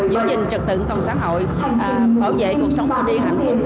giữ gìn trật tựng toàn xã hội bảo vệ cuộc sống của điên hạnh phúc